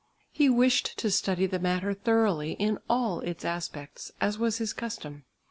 He wished to study the matter thoroughly in all its aspects, as was his custom.